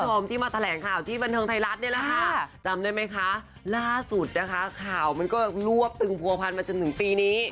ตอนตั้งพี่มาแถล่งข่าวที่บรรเทิงไทยรัฐนี้นะคะจำได้ไหมคะล่าสุดนะคะข่าวมันก็รวบตึงพวกภัณฑ์มาจนถึงปีนี้